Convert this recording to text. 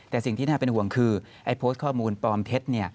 แต่สิ่งที่น่าเป็นห่วงคือไอ้โพสต์ข้อมูลปลอมเท็จ